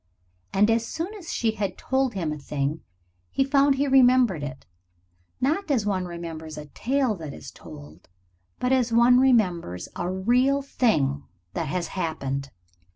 And as soon as she had told him a thing he found he remembered it not as one remembers a tale that is told, but as one remembers a real thing that has happened.